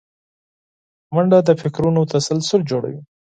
منډه د فکرونو تسلسل جوړوي